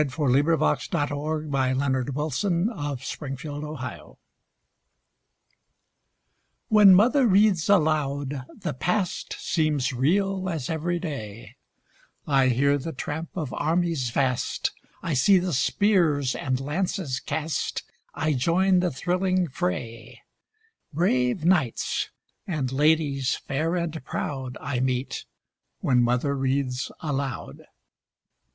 Previous When Mother Reads AloudbyAuthor Unknown Next When Mother reads aloud, the past Seems real as every day; I hear the tramp of armies vast, I see the spears and lances cast, I join the thrilling fray; Brave knights and ladies fair and proud I meet when Mother reads aloud.